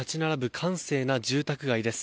閑静な住宅街です。